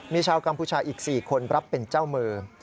มีชาวกัมพูชาอีก๔คนรับเป็นเจ้ามือ